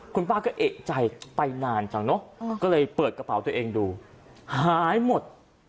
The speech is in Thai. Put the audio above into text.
คุณป้าก็เอกใจไปนานจังเนอะก็เลยเปิดกระเป๋าตัวเองดูหายหมด